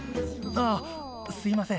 あすいません。